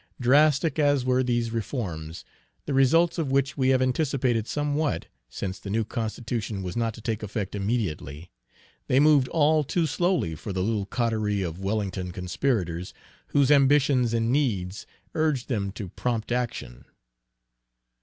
Drastic as were these "reforms," the results of which we have anticipated somewhat, since the new Constitution was not to take effect immediately, they moved all too slowly for the little coterie of Wellington conspirators, whose ambitions and needs urged them to prompt action.